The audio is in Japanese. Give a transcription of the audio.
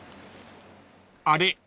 ［あれ？